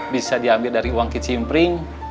bisa diambil dari uang kicimpring